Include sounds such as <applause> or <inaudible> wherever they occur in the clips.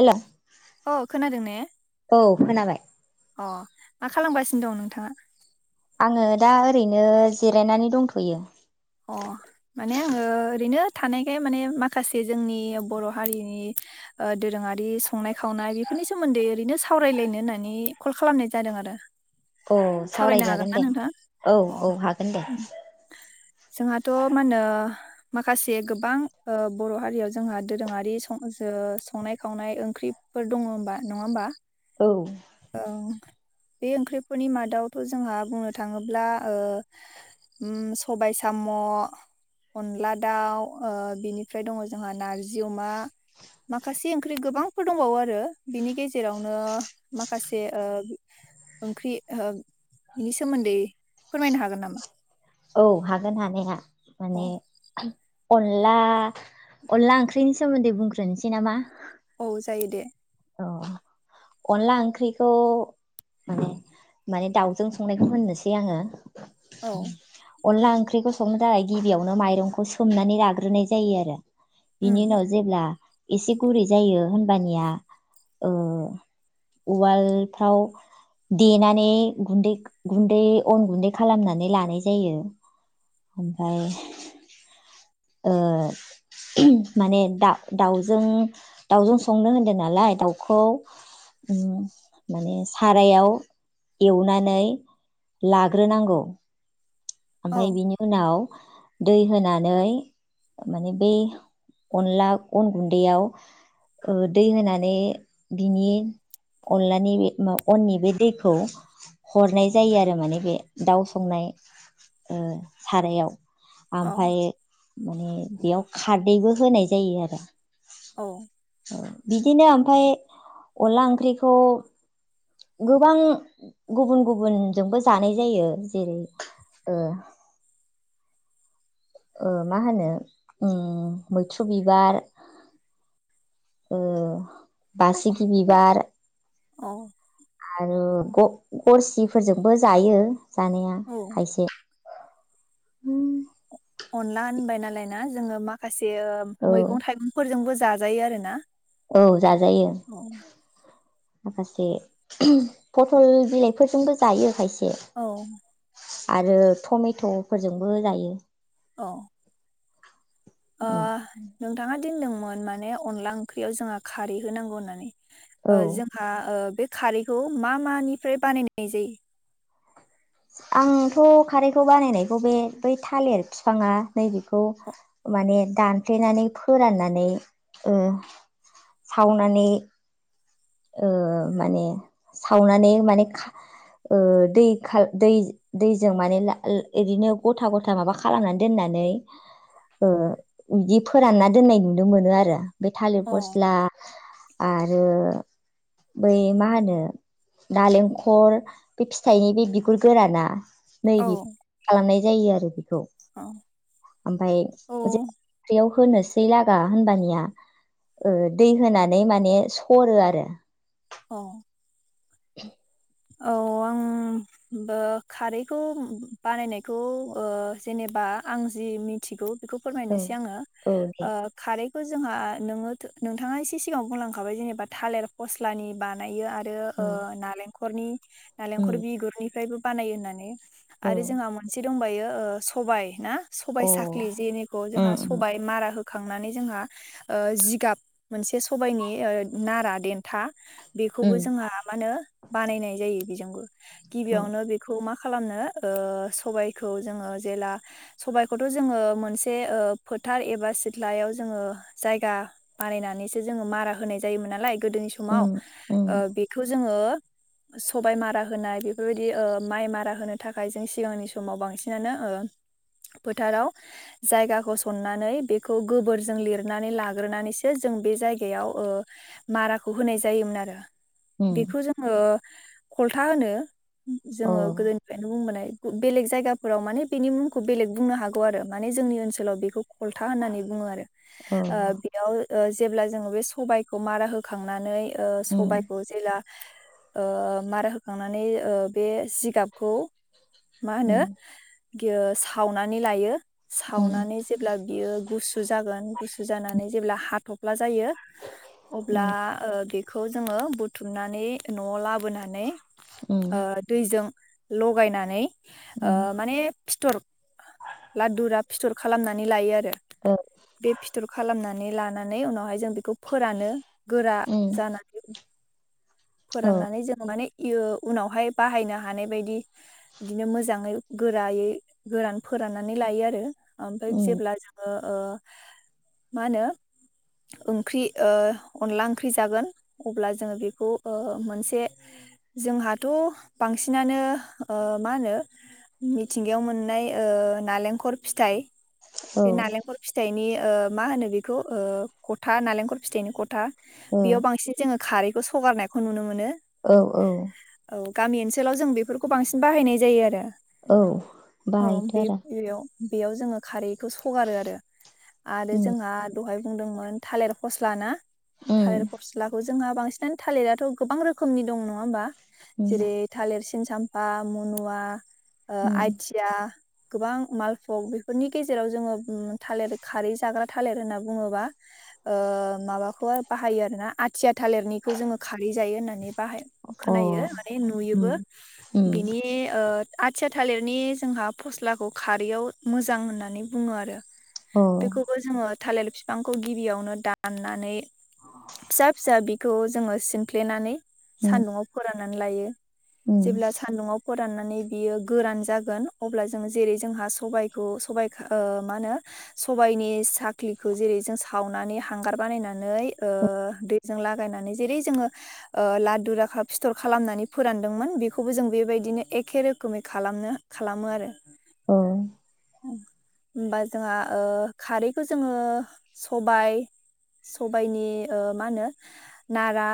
हेल' अ खोनादों ने औ खोनाबाय अ मा खालामगासिनो दं नोंथाङा आङो दा ओरैनो जिरायनानै दंथयो अ माने आङो ओरैनो थानायखाय माने माखासे जोंनि बर हारिनि ओ दोरोङारि संनाय खावनाय बेफोरनि सोमोन्दै ओरैनो सावरायलायनो होननानै कल खालामनाय जादों आरो औ सावरायनो हागोन सावरायजागोन ना दे नोंथाङा औ अ औ हागोन दे उम। जोंहाथ मा होनो माखासे गोबां ओ बर हारियाव जोंहा दोरोङारि संओसो संनाय खावनाय ओंख्रिफोर दङ होमबा नङा होमबा औ औ बे ओंख्रिफोरनि माद दाउथ जोंहा बुंनो थाङोब्ला ओ उम सबाइ साम अनला दाउ ओ बिनिफ्राय दङ जोंहा नारजि अमा माखासे ओंख्रि गोबांफोर दंबावो आरो बिनि गेजेरावनो माखासे ओ ओंख्रि बिनि सोमोन्दै फोरमायनो हागोन नामा औ हागोन हानाया औ माने अनला अनला ओंख्रिनि सोमोन्दै बुंग्रोनोसै नामा औ जायो दे अह अनला ओंख्रिखौ माने माने दाउजों संनायखौ होननोसै आङो औ अनला ओंख्रिखौ संनो थाखाय गिबियावनो माइरंखौ सोमनानै लाग्रोनाय जायो आरो बिनि उम उनाव जेब्ला एसे गुरै जायो होनबानिया ओ उवालफ्राव देनानै गुन्दै गुन्दै अन गुन्दै खालामनानै लानाय जायो ओमफाय ओ माने दादाउजों दाउजों संनो होनदों नालाय दाउखौ माने सारायाव एवनानै लाग्रोनांगौ औ ओमफाय बिनि उनाव दै होनानै माने बे अनला अन गुन्दैयाव ओ दै होनानै बिनि अनलानि बे मा अननि बे दैखौ हरनाय जायो आरो माने बे दाउ संनाय ओ सारायाव अ आमफाय माने बेयाव खारदैबो होनाय जायो आरो औ बिदिनो ओमफाय अनला ओंख्रिखौ गोबां गुबुन गुबुनजोंबो जानाय जायो जेरै ओ ओ मा होनो उम मैथ्रु बिबार, ओ बासिखि बिबार, औ। आरो गरसिफोरजोंबो जायो। जानाया औ खायसे उम। अनला होनबाय नालाय ना जोङो माखासे औ मैगं थाइगंफोरजोंबो जाजायो आरो ना। औ जाजायो। माखासे पथल बिलाइफोरजोंबो जायो खायसे औ। आरो टमेट'फोरजोंबो जायो। अ। उम। होनदोंमोन माने अनला ओंख्रियाव जोंहा खारै होनांगौ होननानै ओ औ जोंहा ओ बे खारैखौ मा मानिफ्राय बानायनाय जायो। आंथ' खारैखौ बानायनायखौ बे बै थालिर बिफाङा नैबेखौ माने दानफ्लेनानै फोराननानै सावनानै ओ माने सावनानै माने दै दै दैजों माने ओदिनो गथा गथा माबा खालामनानै दोननानै बिदि फोरानना दोननाय नुनो मोनो आरो। बे थालिर अ फस्ला आरो बै मा होनो नालेंखर बे फिथाइनि बे बिगुर गोराना नै औ बि खालामनाय जायो आरो। औ औ ओमफ्राय होनोसै लागा होनबानिया दै होनानै माने सरो आरो। अ। <inaudible> औ आं खारैखौ बानायनायखौ जेनेबा आं जि मिथिगौ बेखौ औ फोरमायनोसै आङो औ दे ओ खारै जोंहा नोङो नोंथाङा एसे सिगाङाव बुंलांखाबाय जेनेबा थालिर फस्लानि बानायो आरो। ओ उम ओं नारें खरनि उम नालेंखल बिगुरनिफ्रायबो बानाय होननानै आरो जोंहा मोनसे दंबायो ओ सबाय ना सबबाय औ साख्लि जेनिखौ अ जोंहा उम सबाय मारा हो खांनानै जोंहा ओ जिगाब मोनसे सबायनि ओ नारा देन्था बेखौबो उम जोंहा मा होनो बानायनाय जायो बेजोंबो उम गिबियावनो बेखौ मा खालामनो ओ सबायखौ जोंङो जेला सबायाइखौथ' जोंङो मोनसे ओ फोथार एबा सिथ्लायाव जोंङो जायगा बानायनानैसो जोंङो मारा होनाय जायोमोन नालाय। गोदोनि समाव उम उम बेखौ ओ जोंङो सबाय मारा होनाय बेफोरबायदि ओ माइ मारा होनो थाखाय जों सिगांनि समाव बांसिनानो ओ फोथाराव जायगाखौ सननानै बेखौ गोबोरजों लिरनानै लाग्रोनानैसो जों बे जायगायाव ओ माराखौ होनाय जायोमोन आरो। उम बेखौ जों ओ खलथा होनो अ जोंङो गोदोनिफ्रायनो बुंबोनाय। बेलेग जायगाफोराव माने बेनि मुंखौ बेलेग बुंनो हागौ आरो माने जोंनि ओनसोलाव बेखौ खलथा होननानै बुङो आरो। अ ओ बेयाव ओ जेब्ला जोंङो बे सबायखौ मारा होखांनानै ओ उम सबायखौ जेला। ओ मारा होखांनानै ओ बे जिगाबखौ मा होनो उम बियो सावनानै लायो। उम सावनानै जेब्ला बियो गुसु गुसु जागोन गुसु जानानै जेब्ला हाथब जायो अब्ला उम ओ बे खौ जोंङो बुथुमनानै न'आव लाबोनानै ओ उम दैजों लगायनानै ओ उम माने फिथर लादुरा फिथर खालामनानै लायो आरो। ओ बे फिथर खालामना नै लानानै उनावहाय जों बेखौ फोरानो। गोरा जानांगोन। फोराननानै जों माने यो उनावहाय बाहायनो हानाय बायदि बिदिनो मोजाङै गोरायै गोरान फोराननानै लायो आरो। ओमफ्राय उम जेब्ला जोंङो ओ मा होनो ओंख्रि ओ अनला ओंख्रि जागोन अब्ला जोंङो बेखौ ओ मोनसे जोंहाथ' बांसिनानो ओ मा होनो मिथिंगायाव मोननाय ओ नालेंखर फिथाइ ओ उम औ बे नालेंखर फिथाइनि ओ मा होनो बेखौ ओ खथा नालेंखल फिथाइनि खथा ओ बेयाव बांसिन जोङो खारैखौ स'रगारनाय खौ नुनो मोनो। औ औ औ गामि ओनसोलाव जों बेफोरखौ बांसिन बाहायनाय जायो आरो। औ औ बाहायथ' बे आरो। बेयाव बेयाव जोङो खारै खौ सगारो आरो आरो उम जोंहा दहाय बुंदोंमोन थालिर फस्ला ना थालेर उम फस्लाखौ जोंहा बांसिनानो थालिर थ' गोबां रोखोमनि दं नङा होमबा। उम जेरै थालिर सिन चामपा, मनुवा, ओ उम आथिया, गोबां मालफग बेफोरनि गेजेराव जोङो थालेर खारै जाग्रा थालर होनना बुङोबा ओ माबाखौ बाहायो आरो ना आथिया थालिरनिखौ जोङो खारै जायो होननानै बाहाय अ खोनायो माने उम नुयोबो। उम बिनि ओ आथिया थालिरनि जोंहा फस्लाखौ खारैयाव मोजां होननानै बुङो आरो। अ बेखौबो जोङो थालेर बिफांखौ गिबियावनो दाननानै फिसा-फिसा बि खौ जोङो सिमफ्लेनानै उम सान्दुंआव फोरा नानै लायो। उम जेब्ला सान्दुंआव फो राननानै बियो गोरान जागोन, अब्ला जोङो जेरै जोंहा सबायखौ सबाय ओ मा होनो सबायनि साख्लिखौ जोङो जेरै सावनानै हांगार बानायनानै ओ दैजों लागायनानै जेरै जोङो ओ लादु राखा फिथर खालामनानै फोरानदोंमोन बेखौबो जों बेबायदिनो एखे रोखोमै खालामनो खालामो आरो। अ होमबा जोंहा ओ खारैखौ जोङो सबायाइ सबायाइनि मा होनो नारा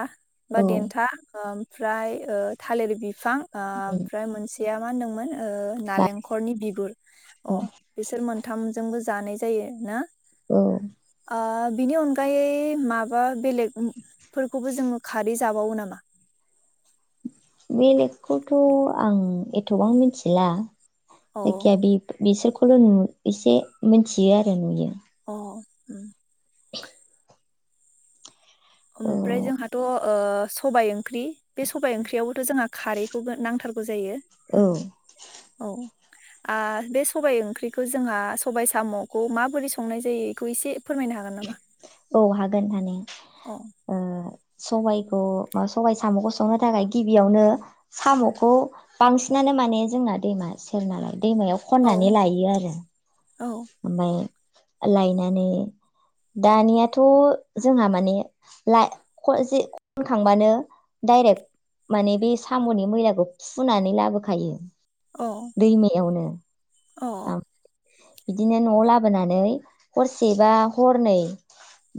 बा औ देन्था ओमफ्राय ओ। थालिर बि फां ओ उम, ओमफ्राय मोनसे <unintelligible> मा होन्दोंमोन ओ नालेंखरनि बिगुर अ बाथौ बिसोर मोनथाम जों। बो जानाय जायो ना। औ। ओ बिनि अनगायै माबा। बेलेग फोरखौबो जोङो खारै जाबावो नामा। बेलेगखौथ' आं एथबां मिथिला। अ जायखि जाया बि बिसोरखौ। ल' नु एसे मिथियो आरो नुयो। अ। ओ ओमफ्राय जोंहाथ'। ओ सबाय ओंख्रि बे सबाइ ओंख्रियाव थ जोंहा खारैखौबो नांथारगौ जायो। औ औ। आ बे सबाइ ओंख्रिखौ जोंहा सबाइ साम'खौ माबोरै संनाय जायो बेखौ एसे फोरमायनो हागोन नामा। औ हागोन हानाया! औ। सबाइखौ सबाइ साम'खौ संनो थाखाय गिबियावनो साम'खौ बांसिनानो माने जोंना दैमा सेरना लाय। दैमायाव औ खन्नानै लायो आरो। जोंनिखैबो ओमफ्राय। लायनानै दानियाथ' जोंहा माने लाय ख जि खनखांबानो डायरेक्ट माने बे साम'नि मैलाखौ हुनानै लाबोखायो। दैमायावनो। औ। बिदिनो न'आव लाबोनानै हरसे बा हरनै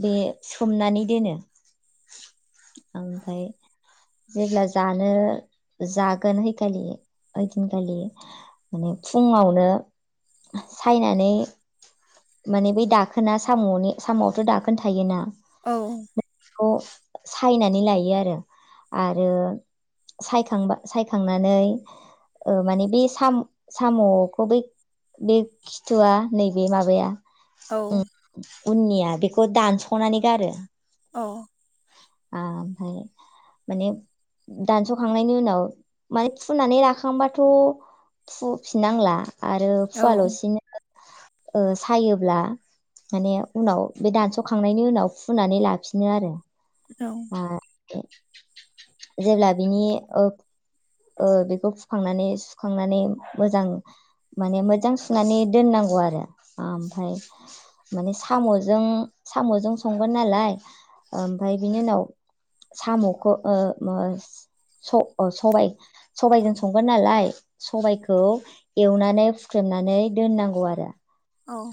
बे सोमनानै दोनो ओमफ्राय जेब्ला जानो जागोनहैखालि ओइदिनखालि माने फुङावनो। सायनानै माने बै दाखोना साम'नि साम'आवथ' दाखोन थायोना औ। बे खौ सायनानै लायो आरो आरो सायखांबा सायखांनानै ओ माने बे साम साम'खौ बै बे खिथुआ नैबे माबाया <inaudible> उननिया बेखौ दानस'नानै गारो औ ओमफ्राय माने दानस'खांनायनि उनाव माने हुनानै लाखाबाथ' हुफिननांला <inaudible> बिदिनो ओ सायोब्ला माने उनाव बे दानस'खांनायनि उनाव फुनानै लाफिनो आरो। औ। ओ जेब्ला बिनि ओ ओ बेखौ फुखांनानै सुखांनानै मोजां माने मोजां सु संनानै दोननांगौ आरो आमफ्राय माने साम'जों-साम'जों संगोन नालाय ओमफ्राय बिनि उनाव साम'खौ ओ मो स' ओ सबाइ-सबाइजों संगोन नालाय सबाइखौ एवनानै हुख्रेमनानै दोननांगौ आरो।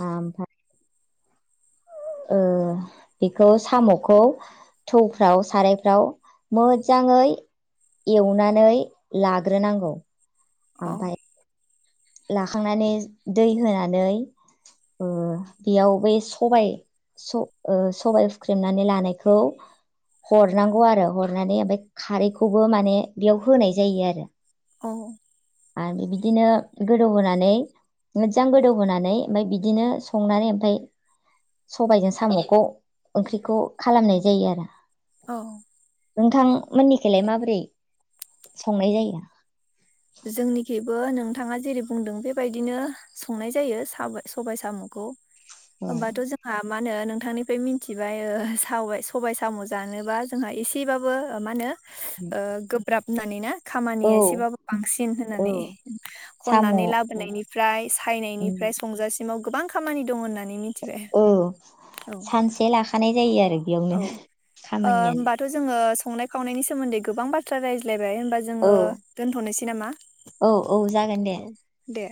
आमफा ओ बेखौ साम'खौ थौफ्राव सारायफ्राव मोजाङै एवनानै लाग्रोनांगौ। आमफाय लाखांनानै दै होनानै ओ बेयाव बै सबाय-स' ओ सबाय हुख्रेमनानै लानायखौ हरनांगौ आरो हरनानै ओमफाय खारैखौबो माने बेयाव होनाय जायो आरो। औ। आरो बिदिनो गोदौहोनानै मोजां गोदौहोनानै ओमफाय बिदिनो संनानै ओमफाय सबायजों साम'खौ ओंख्रिखौ खालामनाय जायो आरो। औ। नोंथांमोननिखौलाय माबोरै संनाय जायो जोंनिखैबो नोंथाङा जेरै बुंदों बेबायदिनो संनाय जायो साब-सबाइ साम'खौ। होमबाथ' जोंहा मा होनो नोंथांनिफ्राय मिथिबाय ओ सावबाय-सबाय साम' जानोबा जोंहा एसेबाबो ओ मा होनो ओ गोब ब्राब माने ना औ खामानिया एसेबाबो बांसिन औ होननानै साम' औ खननानै लाबोनायनिफ्राय सायनायनिफ्राय संजासिमाव गोबां खामानि दं होनना नै मिथिबाय। औ सानसे लाखानाय जायो आरो बेयावनो औ ओ खामानियानो होमबाथ' जोङो स संनाय खावनायनि सोमोन्दै गोबां बाथ्रा रायज्लायब बाय होमबा जोङो औ दोनथ'नोसै नामा औ औ जागोन दे औ दे